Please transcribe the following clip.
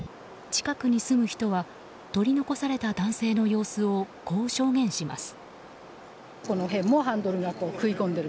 近くに住む人は取り残された男性の様子をこう証言します。